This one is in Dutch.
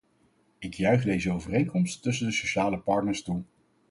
Ik juich deze overeenkomst tussen de sociale partners toe.